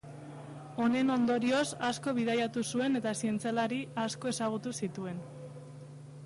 Honen ondorioz, asko bidaiatu zuen eta zientzialari asko ezagutu zituen.